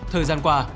thời gian qua